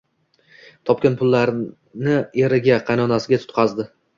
Topgan pullarini eriga, qaynonasiga tutqazdi